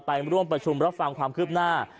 ไปร่วมประชุมรับฟังความคืบหน้า